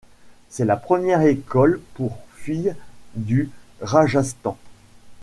C'est la première école pour filles du Rajasthan.